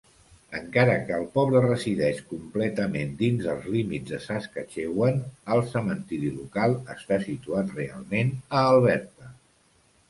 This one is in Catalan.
Encara que el pobre resideix completament dins dels límits de Saskatchewan, el cementiri local està situat realment a Alberta.